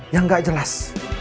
yang gak jelas